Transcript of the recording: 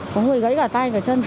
có người gãy cả tay cả chân